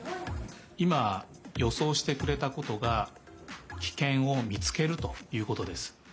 いまよそうしてくれたことがキケンをみつけるということです。